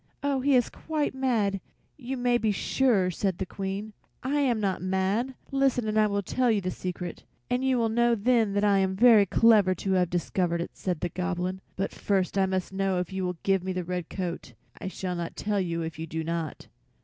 "Oh, he is quite mad, you may be sure!" said the Queen. "I am not mad. Listen and I will tell you the secret, and you will know then I am very clever to have discovered it," said the Goblin. "But first I must know if you will give me the red coat. I shall not tell you if you do not."